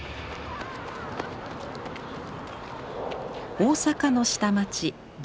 大阪の下町十三。